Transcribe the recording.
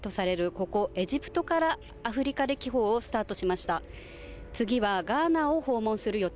ここエジプトから、アフリカ歴訪をスタートさせました。